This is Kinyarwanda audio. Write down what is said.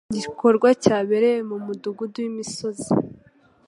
Igikorwa cyabereye mumudugudu wimisozi.